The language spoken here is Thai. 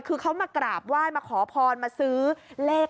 คือเขามากราบไหว้มาขอพรมาซื้อเลข